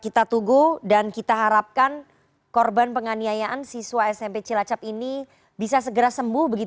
kita tunggu dan kita harapkan korban penganiayaan siswa smp cilacap ini bisa segera sembuh